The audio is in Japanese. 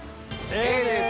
Ａです！